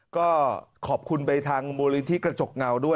ก็ขอบคุณไปทางมูลนิธิกระจกเงาด้วย